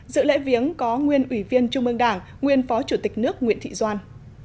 dự lễ viếng có nguyên ủy viên trung ương đảng nguyên phó chủ tịch nước nguyễn thị doan